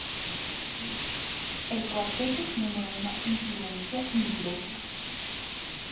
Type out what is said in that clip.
El cuarteto tiene una influencia indirecta.